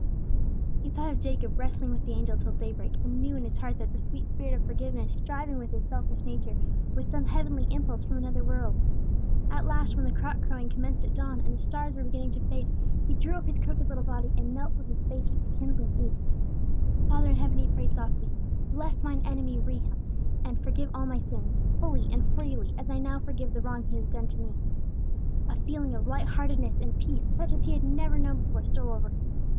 He thought of Jacob wrestling with the angel till day break, and knew in his heart that the sweet spirit of forgiveness striving with his selfish nature was some heavenly impulse from another world. At last when the cock crowing commenced at dawn, and the stars were beginning to fade, he drew up his crooked little body, and knelt with his face to the kindling east. "Father in heaven," he prayed softly, "bless mine enemy Rehum, and forgive all my sins, fully and freely as I now forgive the wrong he has done to me." A feeling of light heartedness and peace, such as he had never known before, stole over him.